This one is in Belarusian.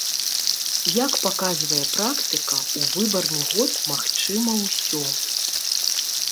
Як паказвае практыка, у выбарны год магчыма ўсё.